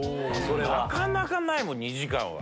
なかなかないもん２時間は。